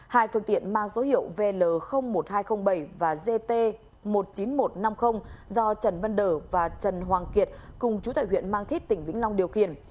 hai phương tiện mang dấu hiệu vn một nghìn hai trăm linh bảy và gt một mươi chín nghìn một trăm năm mươi do trần văn đở và trần hoàng kiệt cùng chú tại huyện mang thít tỉnh vĩnh long điều khiển